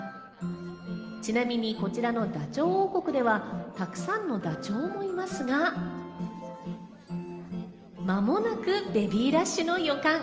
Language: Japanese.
ちなみにこちらのダチョウ王国では、たくさんのダチョウもいますが、間もなくベビーラッシュの予感。